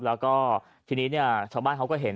แล้วก็ทีนี้เนี่ยชาวบ้านเขาก็เห็น